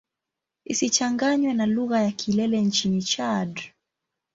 Isichanganywe na lugha ya Kilele nchini Chad.